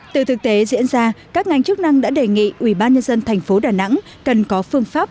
từ thực tế diễn ra các ngành chức năng đã đề nghị ubnd tp đà nẵng cần có phương pháp